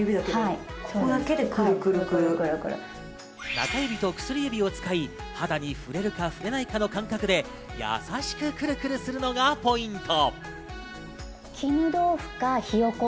中指と薬指を使い肌に触れるか触れないかの感覚で優しく、クルクルするのがポイント。